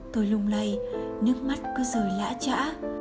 tôi lung lay nước mắt cứ rơi lã trã